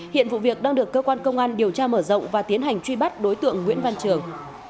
hiện vụ việc đang được cơ quan công an điều tra mở rộng và tiến hành truy bắt đối tượng nguyễn văn trường